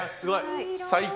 最高。